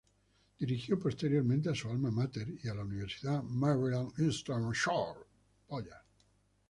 Dirigió posteriormente a su alma máter y a la Universidad Maryland Eastern Shore.